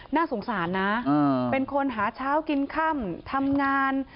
น่าสงสารนะเป็นคนหาเช้ากินค่ำทำงาน